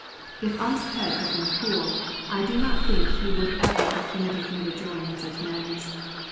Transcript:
If Ump's head had been cool, I do not think he would ever have permitted me to join in such madness.